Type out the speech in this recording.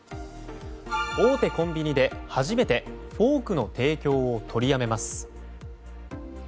大手コンビニで初めてフォークの提供を取りやめます。